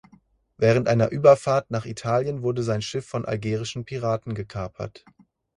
Während einer Überfahrt nach Italien wurde sein Schiff von algerischen Piraten gekapert.